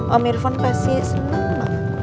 om irvan pasti senang